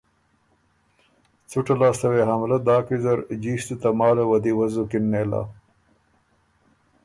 څُټه لاسته وې حملۀ داک ویزر، جیستُو تماله وه دی وزُکِن نېله